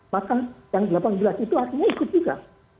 maka yang delapan belas itu artinya ikut juga